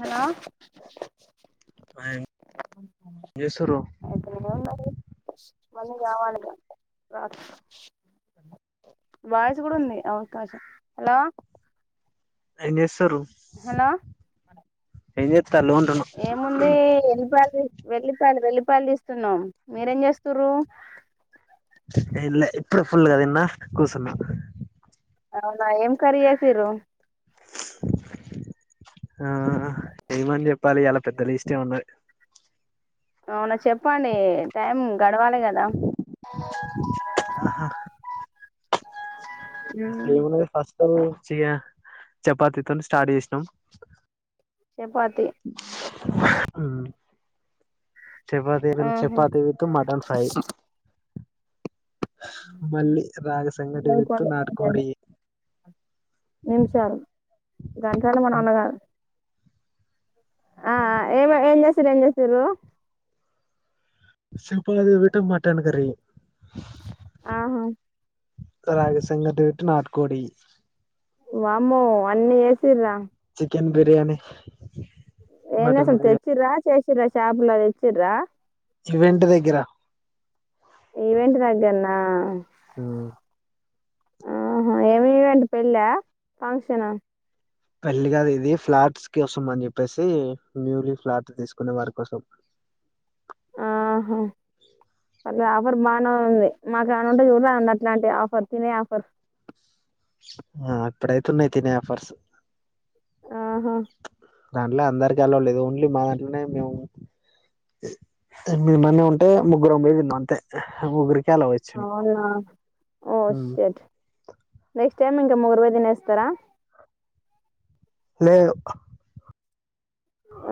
Hello hi ఏం చేస్తుండ్రు అయితేనే ఉన్నది మళ్ళీ కావాలిగా [inaudible] వాయిసు కూడా ఉంది అవకాశం హలో ఏం చేస్తుండ్రు హలో ఏ చేత్ ఏముంది ఎల్లిపాయలు తీస్ వెళ్ళి వెల్లిపాయాలు వెల్లిపాయలు తీస్తున్నాం మీరేం చేస్తుండ్రు ఏంలే ఇప్పుడే ఫుల్ గ దిన్న కూసున్న అవునా ఏం కర్రీ చేసిండ్రు ఆ ఏమని చెప్పాలి ఇయాల పెద్ద లిస్ట్ ఉన్నది అవునా చెప్పండి టైం గడవాలే కదా ఆహా ఏమున్నది ఫస్ట్ చెయ్య చపాతి తోని స్టార్ట్ చేసినాం చపాతి ఉ చపాతి తింటున్న ఆహా చపాతి విత్ మటన్ ఫ్రై మళ్ళీ రాగి సంఘటి విత్ నాటు కోడి నిమిషాలు గంటలు మన అన్నగారు ఆ ఏమ ఏం చేస్తురు ఏం చేస్తురు సింపుల్ గా [unintelligible] మటన్ కరీ ఆహా రాగి సంగటి విత్ నాటు కోడి వామ్మో అన్నీ జేసిండ్రా చికెన్ బిర్యానీ ఏంది మటన్ అసలు బిర్యానీ తెచ్చిండ్రా చేస్ తెచ్చిండ్రా షాప్ ల తెచ్చిండ్రా ఇవెంట్ దగ్గర ఈవెంట్ దగ్గరన్నా ఉ ఆహా ఏమి ఈవెంట్ పెళ్ళ ఫంక్షన్ హ పెళ్లి కాదు ఇది ఫ్లాట్స్ కి కోసం అని చెప్పేసి న్యూలీ ఫ్లాట్ తీసుకునే వారి కోసం ఆహా అగ ఆఫర్ బానే ఉంది మాకు ఏమనా ఉంటే చూడ్ రాడండి అట్లాంటి ఆఫర్ తినే ఆఫర్ ఆ అప్పుడైతున్నాయి తినే ఆఫర్స్ ఆహా దాంట్లో అందరికి అలో లేదు ఓన్లీ మా దాంట్లోనే మేము తొమ్మిది మంది ఉంటే ముగ్గురం పోయి తిన్నాము అంతే ముగ్గుర్ అవునా ఓ ఉమ్. షట్ నెక్స్ట్ సేమ్ ఇంగ ముగ్గురు పోయి తినేస్తార లేదు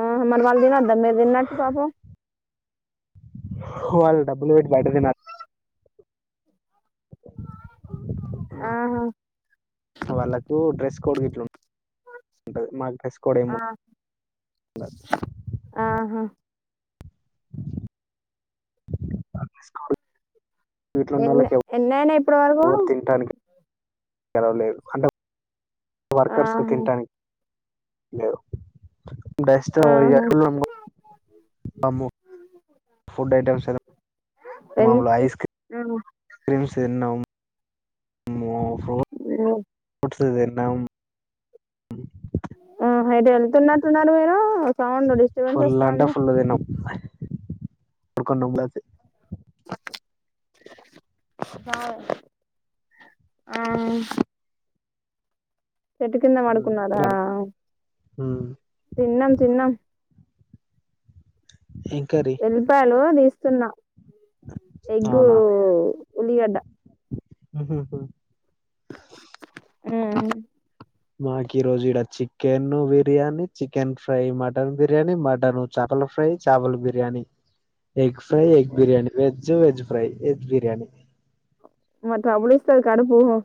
ఆ మర్ వాళ్ళు తినోద్దా మీరు తిన్నట్టు పాపం వాల్ డబ్బులు పెట్టి బయట్ తినత్ ఆహా ఉమ్ వాళ్ళకు డ్రస్ కోడ్ గిట్లా ఉంటది మాకు డ్రెస్ కోడ్ ఏమ్ ఆ ఉందద్ ఆహా అ ఎన్ ఎనైయి ఇప్ ఓరు తింటానిక్ ఎలో లేదు అంట్ వర్కర్స్ కు ఆహా తింటాన్క్ లేవ్ డస్టు ఇగ ఆహా ఫుల్ నంగమ్ ఆమ్మో ఫుడ్ ఐటమ్స్ సెదము [unintelligible] ఎన్ని మాములు ఐస్ క్ ఆహా క్రీమ్స్ తిన్నామ్ మో ఆ [unintelligible] త్ దిన్నామ్ ఆ హ ఎటో వెళ్తున్నట్టున్నారు మీరు సౌండ్ డిస్టర్బెన్స్ వస్తంది కొడుకంట [unintelligible] బా [unintelligible] ఆ చెట్టు కింద పడుకున్నడార ఉమ్ తిన్నాం తిన్నాం ఏం కర్రీ ఎల్లిపయలు తీస్ తున్నా ఎగ్గు ఉలిగడ్డ ఉమ్ ఉమ్ మాక్ ఈ రోజు ఇడ chicken biryani chicken fry mutton biryani mutton చాపల్ ఫ్రై చాపల్ biryani eggs fry egg biryani veg [unintelligible] veg fry veg biryani మత్ [unintelligible]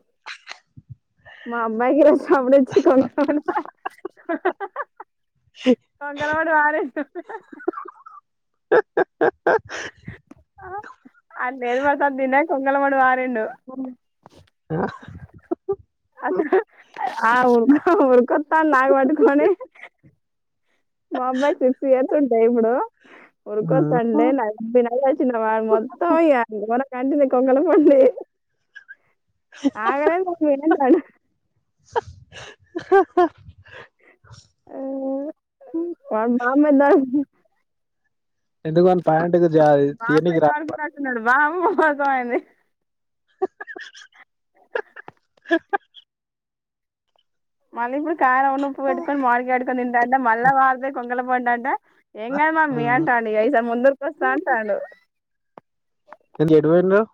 మా అబ్బాయి [unintelligible] సండే చికెన్ మంగలోడు ఆడే పంగమ [unintelligible] [unintelligible] అస ఆ ఉ ఊర్కతా నాగ పట్కోనే మా అబ్బాయికి సిక్స్ ఇయర్స్ ఉంటాయి ఇప్పుడు ఉఊరుకు ఉహు. చండే న న అచ్చిన మొత్తం మ కంటింది కొంగల పండి ఆగాలే [unintelligible] స మా వాళ్ళ నాన్న [unintelligible] ఎందుకు అంతా ప్యాంట్ జారి కిందకి రా మోసమయింది మళ్ళీ ఇప్పుడు కారం అను ఉప్పు పెట్టుకోని మామిడికాయ అద్దు కొన్ని తింటాంటే మళ్ళ వాళ్దే కొ కొంగల పోంటంట ఎం మమ్మీ ఉమ్. అంటాండి యిదుసారి ముందరకి వస్తా అంటాడు ఎంది ఎటు పోయున్నావు.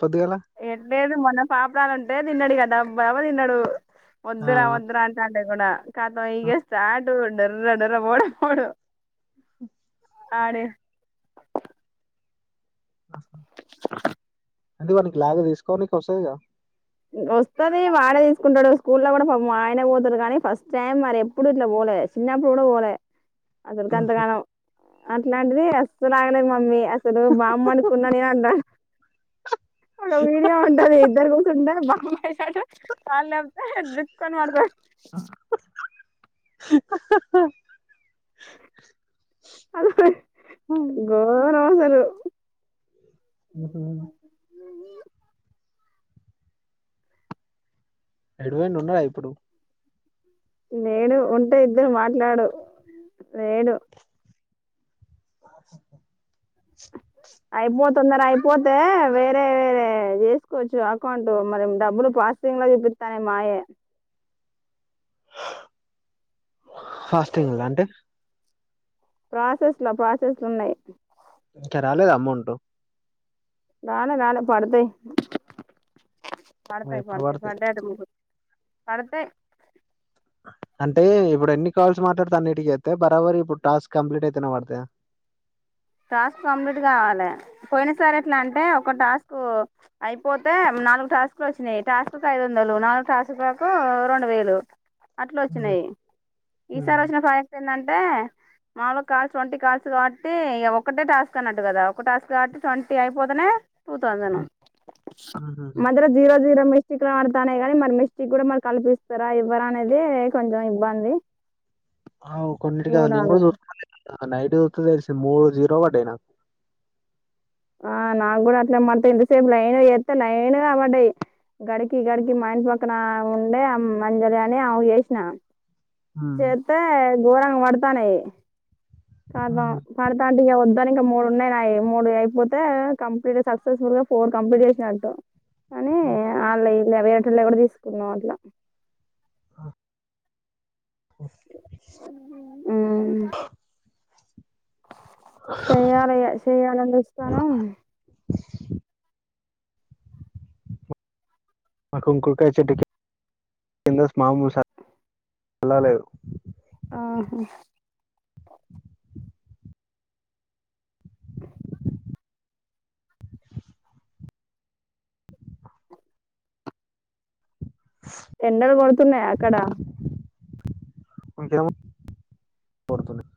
పొద్దుగాల ఎట్లేదు మొన్న పాపడాలంటే తిన్నాడు కదా బాబాయ్ తిన్నాడు ఆ. వద్దురా వద్దురా అంతే అ గుణ కాద ఇగ స్టార్ట్ డూరు డర్ర డర్ర మోడ మడ అడే ఆ అంటే వానికి లాగిన్ తీసుకోవడానికి వస్తుందిగా వస్తది వాడే తీసుకుంటాడు స్కూల్లో కూడా పాపం ఆయన పోతాడు కానీ ఫస్ట్ టైం మరి ఎప్పుడు ఇట్లా పోలేదు చిన్నప్పుడు కూడా పోలే అందరికీ ఎంతా [unintelligible] అట్లాంటిది అస్సలు ఆగలేదు మమ్మీ అసలు బాంబు అనుకున్నా నేను అన్నా ఒక మీడియా ఉంటారు ఇద్దరు బాంబు ఏసాడు కళ్ళు జికు అని పడతాది అది గోరం అసలు [inaudible] ఉహు ఎటు పోయిండు ఉన్నాడా ఇప్పుడు నేను ఉంటే ఇద్దరు మాట్లాడు లేడు [inaudible] అయిపో తొందర అయిపోతే వేరే వేరే చేసుకోవచ్చు అకౌంట్ మరి డబ్బులు ప్రాసెసింగ్ లా చూపిస్తానే మాయే ఫాస్టింగ్ల అంటే ప్రాసెస్ల ప్రాసెస్ల ఉన్నాయి ఇంకా రాలేదు అమౌంట్ రాలే రాలే పడతాయి పడతాయి ఎప్పుడు పడతాయి పడతది పడ్డట్టు మే పడుతాయి అంటే ఇప్పుడు ఎన్ని కాల్స్ మాట్లాడుతే అన్నిటికి ఎస్తే బరాబరి ఇప్పుడు టాస్క్ కంప్లీట్ అయితేనే పాడుతాయా టాస్క్ కంప్లీట్ కావాలే పోయిన సారి ఎట్లా అంటే ఒక టాస్క్ అయిపోతే నాలుగు టాస్కులు వచ్చినాయి టాస్క్ ఐదు వందలు నాలుగు టాస్కులకు రెండు వేయిలు అట్లా వచ్చినాయి ఈసారి వచ్చిన ప్రాజెక్ట్ ఏంది అంటే నాలుగు కాల్స్ ట్వంటి కాల్స్ కాబట్టి ఒకటే టాస్క్ అన్నట్టు కదా ఒక టాస్క్ కాబట్టి ట్వంటీ అయిపోతనే టూ థౌసేంన్ మద్యల జీరో జీరో మి మిస్టికులు పడతానే గాని మరి మిస్టిక్ కూడా మరి కలిపి ఇస్తారా ఇవ్వరా అనేది కొంచెం ఇబ్బంది అవు కొన్నిటి అసలు నేను కూడా చూడాలి చూసుకోలే [inaudible] అక్కడ నైట్ చూతే తెలిసింది మూడు జీరో లు పడ్డాయి నాకు ఆ నాకు కూడా అట్లే పడితే ఇంతసేపు లైన్ గా చేస్తా లైన్ గా పడ్డాయి గడికి గడికి మా ఇంటి పక్కన ఆమె ఉండే అంజలి అని ఆమెకు చేసిన చేతే గోరంగా పడుతానాయి కాదు పడుతా అంటే ఇగ వ కానీ ఇంకా మూడున్నాయి నాయి మూడు ఐ కపోతే కంప్లీట్ సక్సెస్ ఫుల్ గా ఫోర్ కంప్లీట్ చేసినట్టు అని అల్లయి లేవేటుల్లో కూడా తీసుకున్నాం అట్లా [inaudible] చేయ్యాలె ఇగా చేయ్యాలని చూస్తాన్నం. మా కుంకుడుకాయ చెట్టుకింద మాముూ అలా లేేదు. ఆహా ఎండలు కొడుతున్నయా అక్కడ. ఇంకేము కొడుతున్నయి.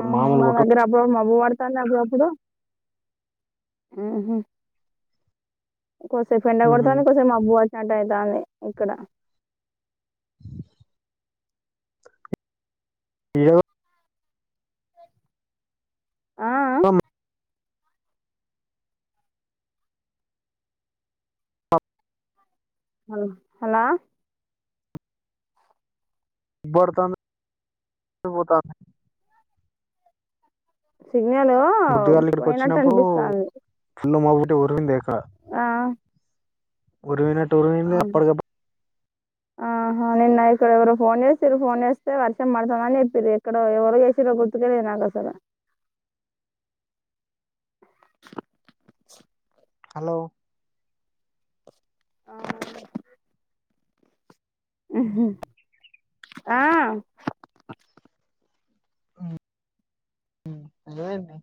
ఆహా మా దగ్గర అప్పుడుడప్పుడు మబ్బు పడతాంది అప్పుడు అప్పుడు. ఆహా కొద్దిసేపు ఎండా కొండతాంది కొద్ది సేపు మబ్బు పడ స్టార్ట్ అయితాంది ఇక్కడ. ఎదో ఆ అమ్ అ హలో బోర్తంది పోతాంది. సి విన్నదేమో పోయినట్టు అనిపిస్తాంది. నిన్న మాపిటీ ఉరిమిందే ఆ ఉరిమినట్ నట్ ఉరిమింది అప్పడి దప్పుడు ఆ నిన్న ఇక్కడ ఎవరో ఫోన్ చేసింరు ఫోన్ చేస్తే వర్షం పడుతాందని చెప్పిర్రు. ఎక్కడో ఎవరు చేసింరో గుర్తుకు లేదు నాకు అసలు. హలో అవును హుహ్ ఆ హ్ హ్ ఎమైంది.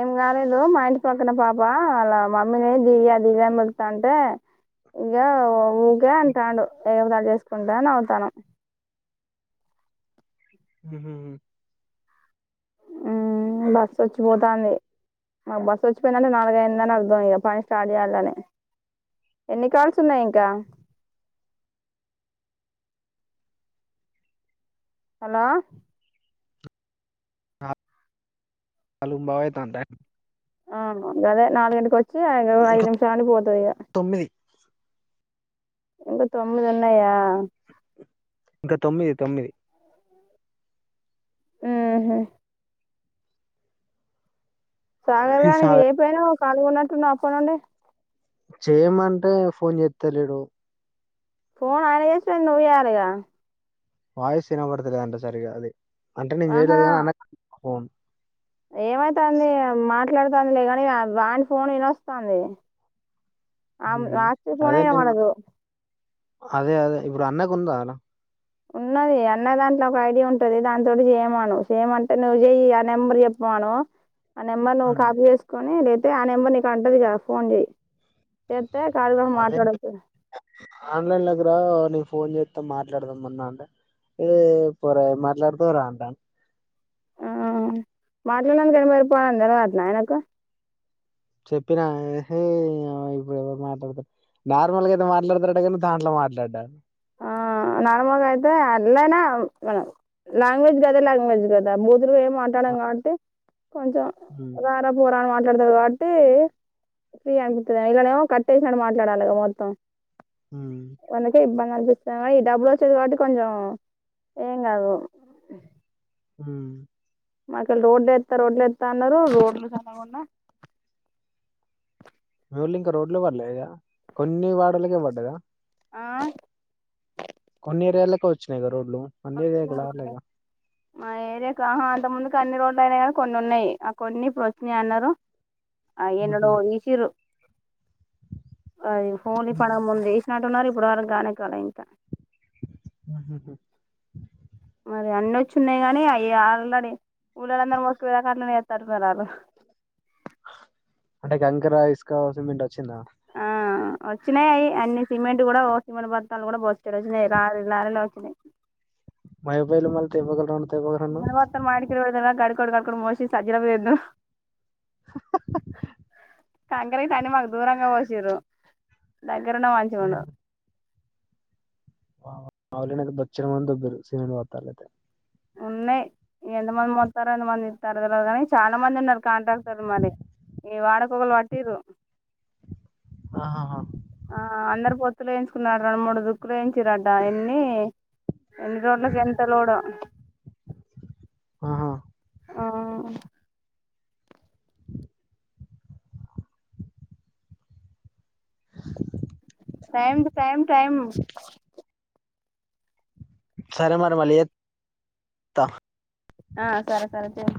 ఎంకాలేదు మా ఇంటి పక్కన పాప అలా మమ్మీనే దియ దియ అని పిల్తాంటే ఇగా ఒ ఊకే అంటాడు. ఎగతాలు చేస్ కొంటా నవుతాన్నం. హుహ్ హు హ్ బస్సు వచ్చిపోతాంది. మా బస్సు వచ్చిపోయిందంటే నాలుగు అయిందని అర్థం ఇగా పని స్టార్ట్ చేయాలని ఎన్ని కాల్స్ ఉన్నయి ఇంకా. హలో హ నాలుగుంపావు అయితాంది టైమ్ ఆ గదే నాలుగు గింటికి వచ్చి ఐదు ఐదు ఇంకా నిమిషాలు అని పోతది ఇగా తొమ్మిది ఇంకా తొమ్మిది ఉన్నయా. ఇంకా తొమ్మిది తొమ్మిది హుహ్ చాకల్దనికి ఎయపెయినవ్ అక్ పాల్గొన్నటున్నావ్ అప్పనుండి చేయమంటే ఫోన్ చెత్త లేడు ఫోన్ అయన చేసుడేంది నువ్వు చేయలిగా వాయిస్ వినబడుత లేదంటా సరిగా అది అంటే నేను చేయలేదు అని అన ఫోన్ ఏమైతంది మాట్లాడుతంది లే కాని వానీ ఫోన్ వినస్తంది ఆమ్ ఆచి ఫోనే అదే నేను వినబడదు అదే అదే ఇప్పుడు అన్నకు ఉందా అలా ఉన్నది అన్న దాంట్ల ఒక ఐడియా ఉంటది దానితోటి చేయమాను చేయమంటే నువ్వు చెయి ఆ నెంబర్ చెప్పమాను ఆ నెంబర్ నువ్ కాపీ చేసుకొని రేప్ అయితే ఆ నెంబర్ నీక ఉంటది గా ఫోన్ చెయి అదే ఆన్లైన్ లకు రావా నేను ఫోన్ చే త మాట్లాడదాం మొన్న అంటె ఏ పోరా ఏం మాట్లాడుతవురా అంటన్ ఆ మాట్లాడినాందు కైన మరి పా అని తెల్వదట్న ఆయనకు చెప్పినా హే నియవ్వ ఇప్పుడు ఎవరు మాట్లాడతారు నార్మల్గా అయితే మాట్లాడతారట కానీ దాంట్ల మాట్లాడా ఆ నార్మల్గా అయితే అల్లై నా మన లాంగ్వేజ్ గ దే లాంగ్వేజ్ గదా ఇదురు ఏం మాట్లాడం కాబట్టి కొంచెం హ్మ్ రారా పోరా అని మా మాట్లాడతారు కాట్టి ఫ్రీ అనిపితది ఇయాలెమో కట్టేసినట్టు మాట్లాడాలిగా మొత్తం హ్మ్ గందుకే ఇబ్బ సందీప్ అయి డబ్బులు వచ్చేది కాబట్టి కొంచెం ఏం కాదు హు మాకెళ్ళి రోడ్లేత్త రోడ్లెత్త అన్నరు రోడ్లు సల్లగుండ రోడ్లు ఇంక రోడ్లు వల్లెదా కొన్నివాడలకే వడ్డదా ఆ కొన్ని ఏరియా లకే వచ్చినాయి గ రోడ్లు అన్ని ఏరియాలకు రాలేగా మా ఏరియా కు ఆహా అంతకముందుకు అన్ని రోడ్లు కొన్ని అయినాయి గని కొన్ని ఉన్నాయి ఆ కొన్ని ఇప్పుడు వచ్చినాయి అన్నారు ఆ ఊహూ ఎన్నడో ఇసిరు అది హోలీ హ్మ్ పండుగ ముందు ఎసినట్టున్నరు ఇపు ఇప్పటివరకు కానే కాలే ఇంకా ఉహు హు మరి అన్ని వచ్చున్నాయి కానీ అయి ఆల్రెడీ ఊల్లోళందరు మోసుకునే దాకా అట్లనే చేసేతటున్నరు ఆళ్ళు అంటే కంకర ఇసుక సిమెంట్ వచ్చిందా ఆ వచ్చినాయి అయి అన్ని సిమెంట్ కూడా ఓ సిమెంట్ బత్తలు కూడా బొచ్చడు వచ్చినాయి లారీలు లారీలే వచ్చినాయి మోయపేళ్ళు మరి తెపుకోకటి రెండు సిమెంటు బత్తాలు మా ఇంటికి కేలి పెడుతర గాడి కడ్గ అక్కడటి వాషి సజ్జిర ఏద్దాం [unintelligible] కంకరే మాకు దూరంగా పోసిర్ల్లు దగ్గరున్న మంచిగుండు మా ఊర్లోనైతే బొచ్చెడు మంది దొబ్బిదరు సిమెంట్ బస్తాలు అయితే ఉన్నాయి ఎంతమంది మొత్తార ఎంతమంది ఇస్తారు తె కాని చాలా మంది ఉన్నారు కాంట్రాక్టర్లు మరి ఈ వాడక ఒకరు పట్టిరు ఆహా ఆ అందరు పొత్తులు వేయించుకున్నాడు రెండు మూడు దుక్కులు వేయించరడ్డా ఎన్ని ఎన్ని రోడ్లకు ఎంత లోడ ఆహా ఆ టైం టు టైమ్ టైమ్ సరే మరి మళ్లీ త్తా ఆ సరే సరే చేయి